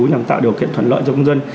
nhằm tạo điều kiện thuận lợi cho công dân